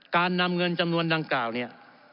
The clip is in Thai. การนำเงินจำนวนดังกล่าวเนี่ย